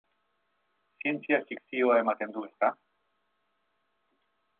Zientzia fikzioa ematen du, ezta?